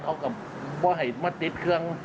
เขาก็ให้มาติดเครื่อง